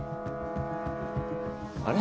あれ？